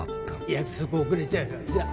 約束遅れちゃうからじゃあ